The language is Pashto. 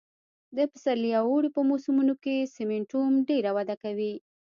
د پسرلي او اوړي په موسمونو کې سېمنټوم ډېره وده کوي